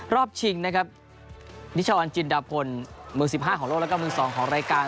รอบชิงนิชวัลจิลดาพลมือ๑๕ของโลกและมือ๒ของรายการ